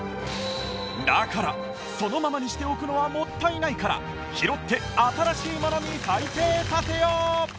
だからそのままにしておくのはもったいないから拾って新しいものに再生させよう！